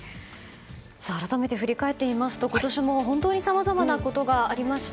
改めて振り返ってみますと今年も本当にさまざまなことがありました。